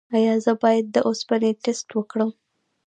ایا زه باید د اوسپنې ټسټ وکړم؟